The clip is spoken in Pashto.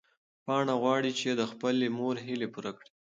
پاڼه غواړي چې د خپلې مور هیلې پوره کړي.